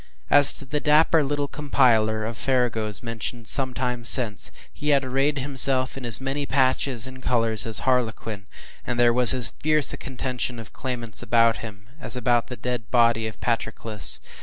As to the dapper little compiler of farragos mentioned some time since, he had arrayed himself in as many patches and colors as harlequin, and there was as fierce a contention of claimants about him, as about the dead body of Patroclus.